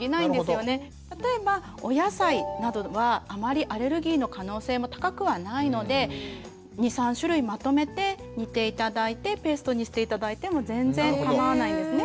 例えばお野菜などはあまりアレルギーの可能性も高くはないので２３種類まとめて煮て頂いてペーストにして頂いても全然かまわないんですね。